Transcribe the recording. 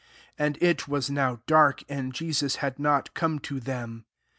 And it was now dark ; and Je* sus had not come to them.